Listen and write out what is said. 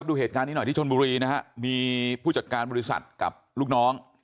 ดูเหตุการณ์นี้หน่อยที่ชนบุรีนะฮะมีผู้จัดการบริษัทกับลูกน้อง